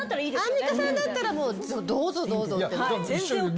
アンミカさんだったらどうぞどうぞってなる。